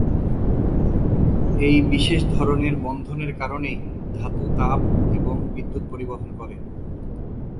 এই বিশেষ ধরনের বন্ধনের কারণেই ধাতু তাপ এবং বিদ্যুৎ পরিবহন করে।